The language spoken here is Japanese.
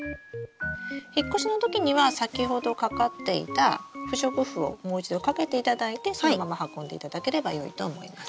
引っ越しのときには先ほどかかっていた不織布をもう一度かけていただいてそのまま運んでいただければよいと思います。